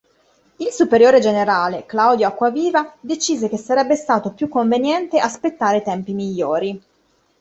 Il Superiore Generale, Claudio Acquaviva, decise che sarebbe stato più conveniente aspettare tempi migliori.